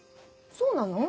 そうなの？